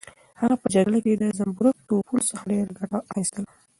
هغه په جګړه کې د زنبورک توپونو څخه ډېره ګټه اخیستله.